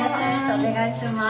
お願いします。